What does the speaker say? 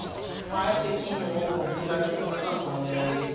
あえて金をこちらに打ったのはこの狙いです。